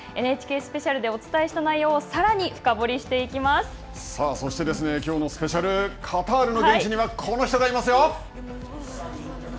「ＮＨＫスペシャル」でお伝えした内容をさらに深掘りしていきまさあ、そして、きょうのスペシャル、カタールの現地にはこの人がいますよ！